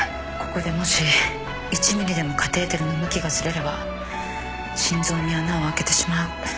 ここでもし１ｍｍでもカテーテルの向きがずれれば心臓に穴を開けてしまう。